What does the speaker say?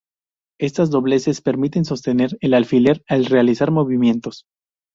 Estas dobleces permiten sostener el alfiler al realizar movimientos.